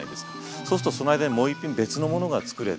そうするとその間にもう１品別のものが作れて。